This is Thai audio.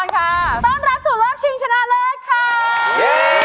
ต้อนรับสู่รอบชิงชนะเลิศค่ะ